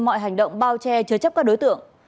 mọi hành động bao che chứa chấp các đối tượng